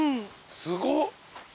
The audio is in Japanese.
すごっ。